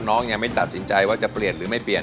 น้องยังไม่ตัดสินใจว่าจะเปลี่ยนหรือไม่เปลี่ยน